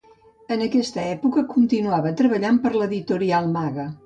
En aquesta època continuava treballant per l'editorial Maga.